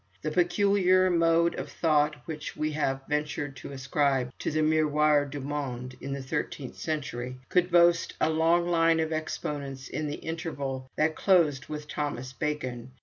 The peculiar mode of thought which we have ventured to ascribe to the 'Miroir du Monde' in the thirteenth century, could boast a long line of exponents in the interval that closed with Thomas Becon.